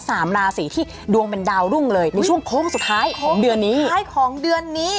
สามราศีที่ดวงเป็นดาวรุ่งเลยในช่วงโค้งสุดท้ายของเดือนนี้ท้ายของเดือนนี้